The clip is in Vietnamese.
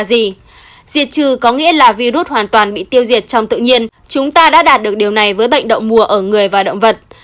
dịch trừ có nghĩa là virus hoàn toàn bị tiêu diệt trong tự nhiên chúng ta đã đạt được điều này với bệnh đậu mùa ở người và động vật